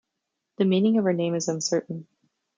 The meaning of her name is uncertain.